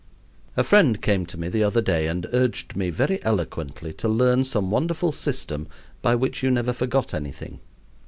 A friend came to me the other day and urged me very eloquently to learn some wonderful system by which you never forgot anything.